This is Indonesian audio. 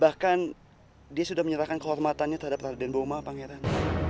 bahkan dia sudah menyerahkan kehormatannya terhadap raden boma pangeran